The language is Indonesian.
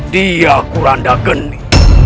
dia kuranda geni